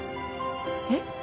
えっ？